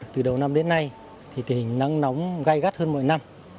từ đầu năm đến nay thì tình hình nắng nóng gai gắt hơn mỗi năm